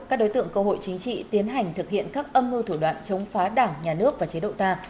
các đối tượng cơ hội chính trị tiến hành thực hiện các âm mưu thủ đoạn chống phá đảng nhà nước và chế độ ta